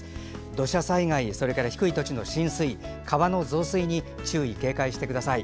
土砂災害それから低い土地の浸水川の増水に注意、警戒してください。